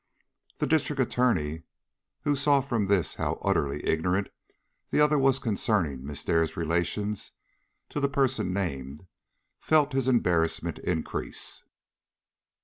The District Attorney, who saw from this how utterly ignorant the other was concerning Miss Dare's relations to the person named, felt his embarrassment increase.